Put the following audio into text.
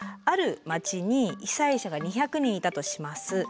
ある町に被災者が２００人いたとします。